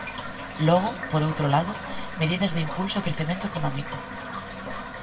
Logo, por outro lado, medidas de impulso e crecemento económico.